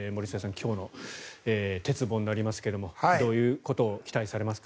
今日の鉄棒になりますけれどもどういうことを期待されますか。